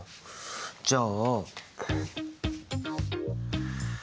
じゃあ。